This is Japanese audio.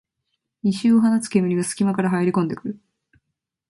異臭を放つ煙がすき間から入りこんでくる